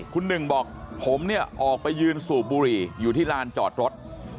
คุณหนึ่งบอกผมเนี่ยออกไปยืนสูบบุหรี่อยู่ที่ลานจอดรถ